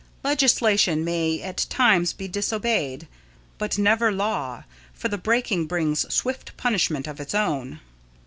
Legislation may at times be disobeyed, but never law, for the breaking brings swift punishment of its own.